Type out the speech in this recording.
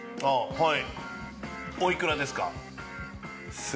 はい。